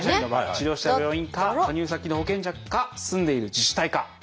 治療した病院か加入先の保険者か住んでいる自治体か。